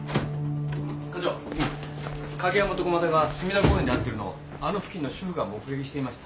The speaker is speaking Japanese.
課長景山と駒田が墨田公園で会ってるのをあの付近の主婦が目撃していました。